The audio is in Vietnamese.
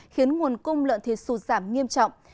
khiến nguồn cung lợn thịt sụt giảm nghiêm trọng